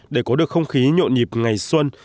để có được không khí nhộn nhịp ngày xuân